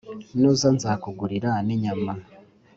nuza nzakugurira n'inyama